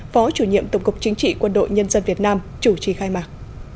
phó chủ nhiệm tổng cục chính trị quân đội nhân dân việt nam chủ trì khai mạc